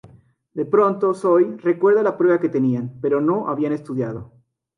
De pronto Zoey recuerda la prueba que tenían, pero no habían estudiado.